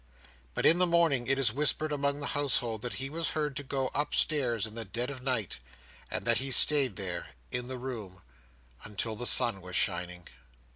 But in the morning it is whispered among the household that he was heard to go upstairs in the dead night, and that he stayed there—in the room—until the sun was shining.